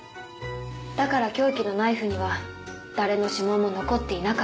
だから凶器のナイフには誰の指紋も残っていなかった。